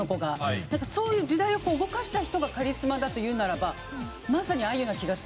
そういう時代を動かした人がカリスマだというならばまさにあゆな気がする。